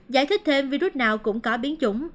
giải thích thêm virus nào cũng có biến chủng